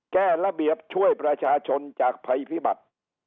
แก้ระเบียบช่วยประชาชนจากภัยพิบัติ